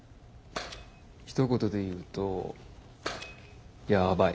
ひと言で言うとヤバい。